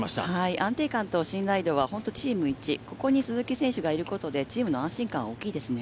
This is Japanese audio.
安定感と信頼度はチーム１、ここに鈴木選手がいることでチームの安心感は大きいですね。